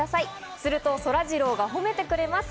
するとそらジローが褒めてくれます。